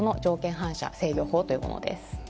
反射制御法というものです。